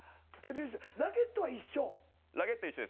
ラケットは一緒？